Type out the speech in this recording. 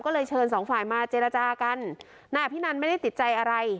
ก็เลยเชิญสองฝ่ายมาเจรจากันนายอภินันไม่ได้ติดใจอะไร